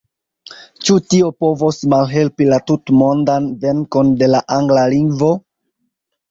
Ĉu tio povos malhelpi la tutmondan venkon de la angla lingvo?